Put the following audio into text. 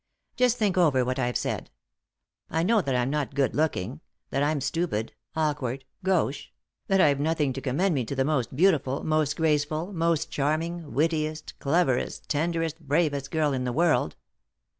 Just think over what I've said. I know that I'm not good looking ; that I'm stupid, awkward, gauche ; that I've nothing to commend me to the most beautiful, most graceful, most charming, wittiest, cleverest, tenderest, bravest girl in the world."